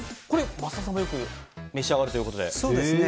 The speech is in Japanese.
桝田さんもよく召し上がるということで。